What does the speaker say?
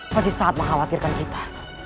pasti saat mengkhawatirkan kita